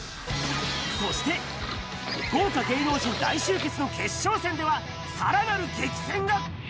そして、豪華芸能人大集結の決勝戦では、さらなる激戦が。